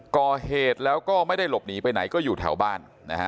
ก่อเหตุแล้วก็ไม่ได้หลบหนีไปไหนก็อยู่แถวบ้านนะฮะ